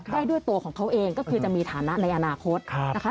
ได้ด้วยตัวของเขาเองก็คือจะมีฐานะในอนาคตนะคะ